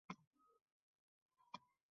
Kanalimizga